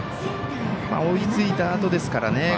追いついたあとですからね。